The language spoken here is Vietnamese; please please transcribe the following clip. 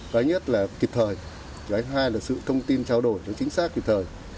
cái nhất là kịp thời cái thứ hai là sự thông tin trao đổi nó chính xác kịp thời